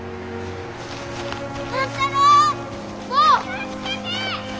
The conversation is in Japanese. ・助けて！